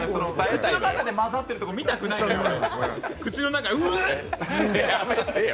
口の中で混ざってるところ見たくないから、俺。